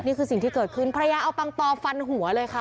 นี่คือสิ่งที่เกิดขึ้นภรรยาเอาปังตอฟันหัวเลยค่ะ